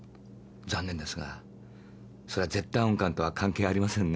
残念ですがそれは「絶対音感」とは関係ありませんね。